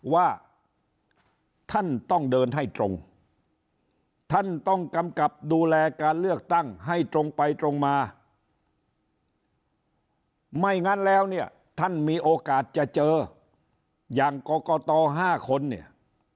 ว่าท่านต้องเดินให้ตรงท่านต้องกำกับดูแลการเลือกตั้งให้ตรงไปตรงมาไม่งั้นแล้วเนี่ยท่านมีโอกาสจะเจออย่างกรกต๕คนเนี่ย